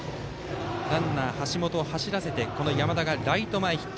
ランナー、橋本を走らせて山田がライト前ヒット。